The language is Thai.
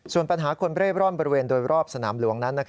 ส่วนปัญหาคนเร่ร่อนบริเวณโดยรอบสนามหลวงนั้น